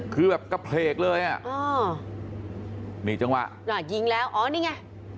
คือแบบกระเพลกเลยอ๋อมีจังหวะอ่ะยิงแล้วนี่ไง